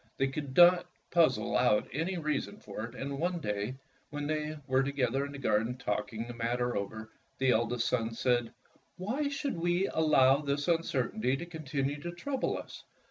They could not puzzle out any rea son for it, and one day, when, they were to gether in the garden talking the matter over, the eldest son said: "Why should we allow this uncertainty to continue to trouble us?